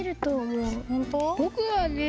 ぼくはね